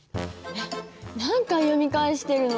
何回読み返してるの？